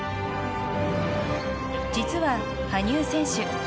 実は羽生選手